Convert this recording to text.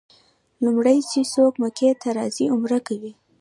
لومړی چې څوک مکې ته راځي عمره کوي.